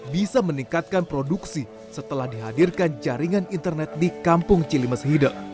bisa meningkatkan produksi setelah dihadirkan jaringan internet di kampung cilimeshide